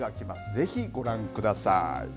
ぜひご覧ください。